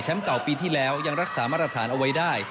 เก่าปีที่แล้วยังรักษามาตรฐานเอาไว้ได้